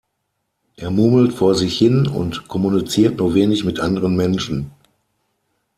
Er murmelt vor sich hin und kommuniziert nur wenig mit anderen Menschen.